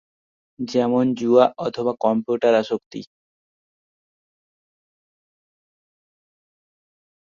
যেমন- জুয়া অথবা কম্পিউটার আসক্তি।